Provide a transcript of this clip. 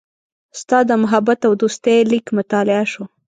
ستا د محبت او دوستۍ لیک مطالعه شو.